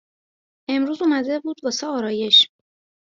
امروز اومده بود واسه آرایش